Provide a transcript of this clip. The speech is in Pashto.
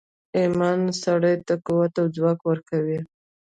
ایمان سړي ته قوت او ځواک ورکوي